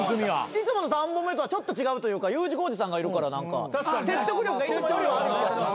いつもの３本目とはちょっと違うというかＵ字工事さんがいるから何か説得力がいつもよりはある。